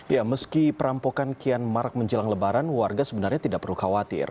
ya meski perampokan kian marak menjelang lebaran warga sebenarnya tidak perlu khawatir